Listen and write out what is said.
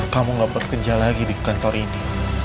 kamu gak bekerja lagi di kantor ini